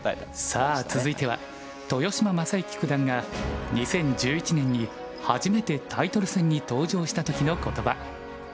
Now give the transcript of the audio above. さあ続いては豊島将之九段が２０１１年に初めてタイトル戦に登場した時の言葉。